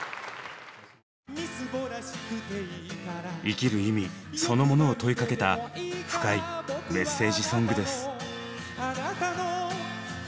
生きる意味そのものを問いかけた深いメッセージソングです。